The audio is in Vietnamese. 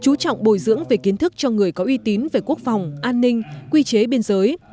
chú trọng bồi dưỡng về kiến thức cho người có uy tín về quốc phòng an ninh quy chế biên giới